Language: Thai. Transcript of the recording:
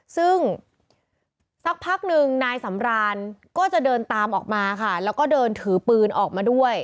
ซึ่งสักพักหนึ่งนายสำรานก็จะเดินตามออกมาค่ะแล้วก็เดินถือปืนออกมาด้วย